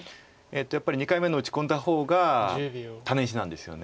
やっぱり２回目の打ち込んだ方がタネ石なんですよね。